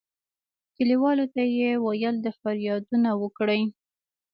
کلیوالو ته یې ویل د فریادونه وکړي.